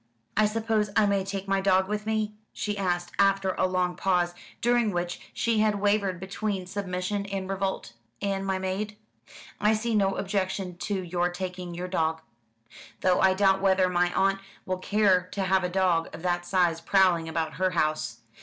"I suppose I may take my dog with me?" she asked, after a long pause, during which she had wavered between submission and revolt, "and my maid?" "I see no objection to your taking your dog; though I doubt whether my aunt will care to have a dog of that size prowling about her house.